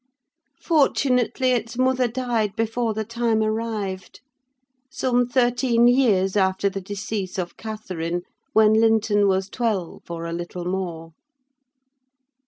Fortunately its mother died before the time arrived; some thirteen years after the decease of Catherine, when Linton was twelve, or a little more.